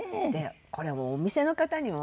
これもうお店の方にも悪いし。